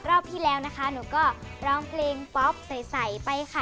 รอบที่แล้วนะคะหนูก็ร้องเพลงป๊อปใสไปค่ะ